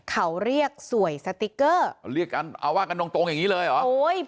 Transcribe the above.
เขาเรียกสวยสติ๊กเกอร์เรียกกันเอาว่ากันตรงตรงอย่างงี้เลยเหรอโอ้ย